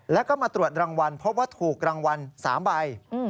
แล้วก็มาตรวจรางวัลพบว่าถูกรางวัล๓ใบ